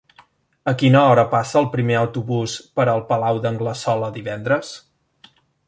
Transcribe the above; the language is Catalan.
A quina hora passa el primer autobús per el Palau d'Anglesola divendres?